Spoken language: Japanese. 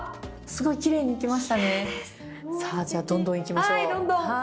じゃあどんどんいきましょう。